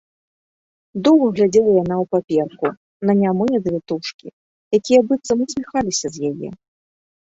Доўга глядзела яна ў паперку, на нямыя завітушкі, якія быццам насміхаліся з яе.